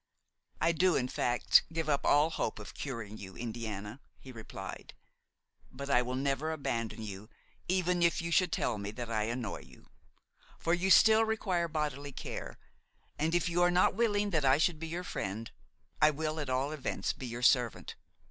"I do in fact give up all hope of curing you, Indiana," he replied; "but I will never abandon you even if you should tell me that I annoy you; for you still require bodily care, and if you are not willing that I should be your friend, I will at all events be your servant.